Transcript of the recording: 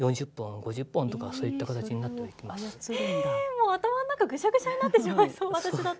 もう頭ん中ぐしゃぐしゃになってしまいそう私だったら。